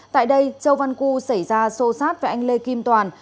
tại đây châu văn cư xảy ra xô xát với anh lê kim toàn